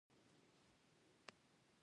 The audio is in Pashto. آرشیف د اضافه اجرااتو راټولول دي.